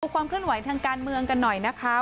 ความเคลื่อนไหวทางการเมืองกันหน่อยนะคะ